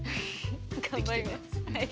頑張ります。